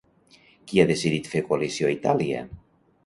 Qui ha decidit fer coalició a Itàlia?